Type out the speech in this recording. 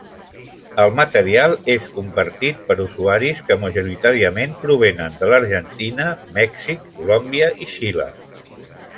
El material és compartit per usuaris que majoritàriament provenen de l'Argentina, Mèxic, Colòmbia i Xile.